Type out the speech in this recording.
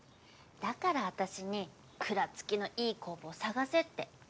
だから私に蔵付きのいい酵母を探せって。